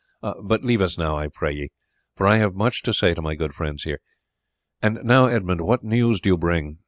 But leave us now, I pray ye, for I have much to say to my good friends here. And now, Edmund, what news do you bring?